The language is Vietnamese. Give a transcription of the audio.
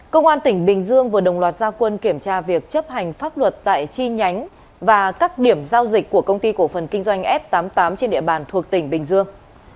công an tỉnh bình dương vừa đồng loạt gia quân kiểm tra việc chấp hành pháp luật tại chi nhánh và các điểm giao dịch của công ty cổ phần kinh doanh f tám mươi tám trên địa bàn thuộc tỉnh bình dương